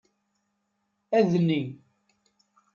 Adni.